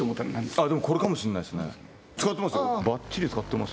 あっでもこれかもしんないっすね。